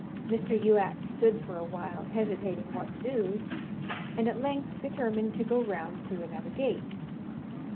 Mr. Youatt stood for awhile hesitating what to do, and at length determined to go round through another gate.